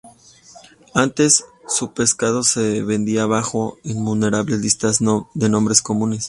Antes, su pescado se vendía bajo innumerables listas de nombres comunes.